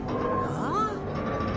ああ。